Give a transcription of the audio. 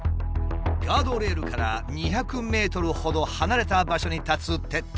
ガードレールから２００ｍほど離れた場所に立つ鉄塔。